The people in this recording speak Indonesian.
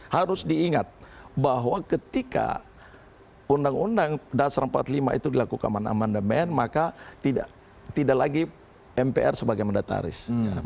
harus diingat bahwa ketika undang undang dasar empat puluh lima itu dilakukan amandemen maka tidak lagi mpr sebagai mendataris